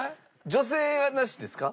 女性はなしですか？